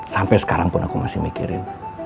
sampai sekarang pun aku masih mikirin